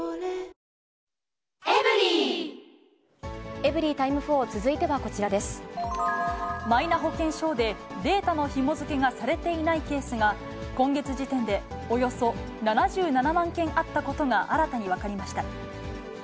エブリィタイム４、続いてはマイナ保険証でデータのひも付けがされていないケースが、今月時点で、およそ７７万件あったことが新たに分かりました。